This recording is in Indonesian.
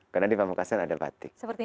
karena di pamekasan ada batik